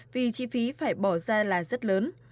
vì chi phí phải bỏ ra là rất lớn